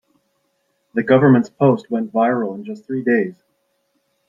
The government's post went viral in just three days.